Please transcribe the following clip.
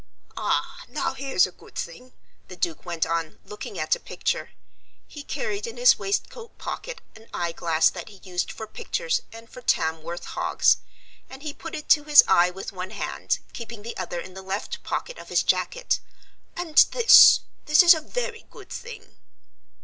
"Ah, now here's a good thing," the Duke went on, looking at a picture. He carried in his waistcoat pocket an eyeglass that he used for pictures and for Tamworth hogs, and he put it to his eye with one hand, keeping the other in the left pocket of his jacket; "and this this is a very good thing."